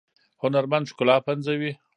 هنرمند ښکلا پنځوي